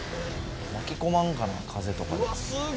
巻き込まんかな風とか。